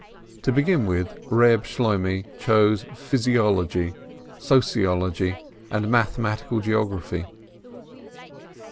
To begin with, Eeb Shloimeh chose physiology, sociology, and mathematical geography.